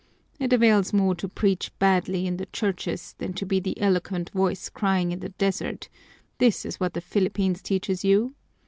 It avails more to preach badly in the churches than to be the eloquent voice crying in the desert, this is what the Philippines teaches you!